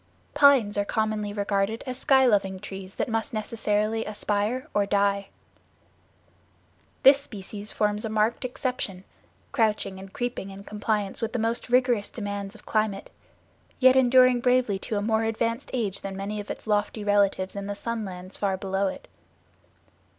Pines are commonly regarded as sky loving trees that must necessarily aspire or die. This species forms a marked exception, crouching and creeping in compliance with the most rigorous demands of climate; yet enduring bravely to a more advanced age than many of its lofty relatives in the sun lands far below it.